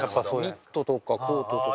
ニットとかコートとか。